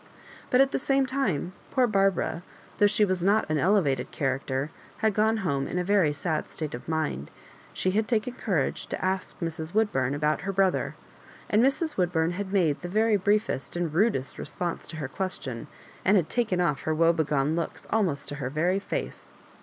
But at the same time poor Barbara^ though she was not an elevated character, had gone home in a very sad state of mind. She had taken courage to ask Mrs. Woodbum about her brother, and Mrs. Woodbum had made the very briefest and rudest response to her question^ and had " taken off" her woe begone looks almost to her very fece.